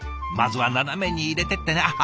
まずは斜めに入れてってね。